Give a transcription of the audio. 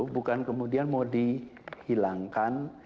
bukan kemudian mau dihilangkan